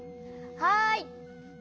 はい。